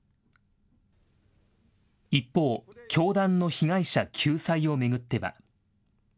一方、教団の被害者救済を巡っては。